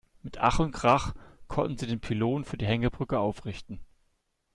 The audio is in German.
Mit Ach und Krach konnten sie den Pylon für die Hängebrücke aufrichten.